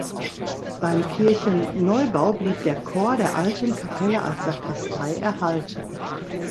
Beim Kirchenneubau blieb der Chor der alten Kapelle als Sakristei erhalten.